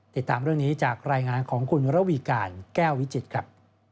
ติดตามเรื่องนี้จากรายงานของคุณระวีการแก้ววิจิตรครับ